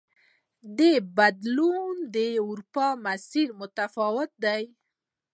د بدلون دا اروپايي مسیر متفاوت دی.